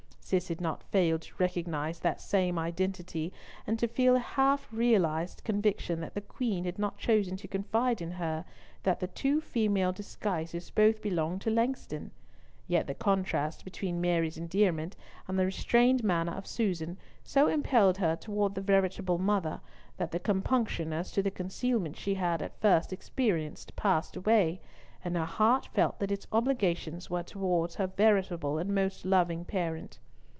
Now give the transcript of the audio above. Cis had not failed to recognise that same identity, and to feel a half realised conviction that the Queen had not chosen to confide to her that the two female disguises both belonged to Langston. Yet the contrast between Mary's endearments and the restrained manner of Susan so impelled her towards the veritable mother, that the compunction as to the concealment she had at first experienced passed away, and her heart felt that its obligations were towards her veritable and most loving parent.